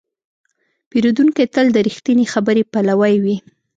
پیرودونکی تل د رښتینې خبرې پلوی وي.